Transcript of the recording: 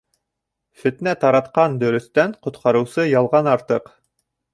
Фетнә таратҡан дөрөҫтән ҡотҡарыусы ялған артыҡ.